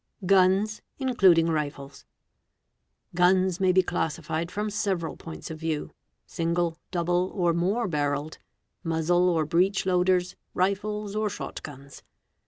GUNS (INCLUDING RIFLES). 3 Guns may be classified from several points of view,—single, double, or ~ more barrelled—muzzle or breach loaders—rifles or shot guns.